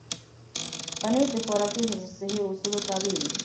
پنېر د خوراکي حفظ الصحې اصولو تابع وي.